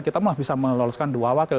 kita malah bisa meloloskan dua wakil